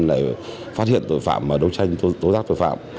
để phát hiện tội phạm và đấu tranh tố rác tội phạm